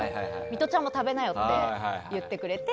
ミトちゃんも食べなよって言ってくれて。